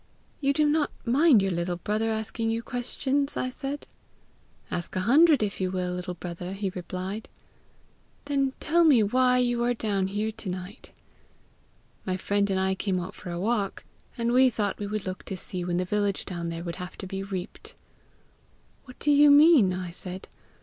'You do not mind your little brother asking you questions?' I said. 'Ask a hundred, if you will, little brother,' he replied. 'Then tell me why you are down here to night.' 'My friend and I came out for a walk, and we thought we would look to see when the village down there will have to be reaped.' 'What do you mean?' I said.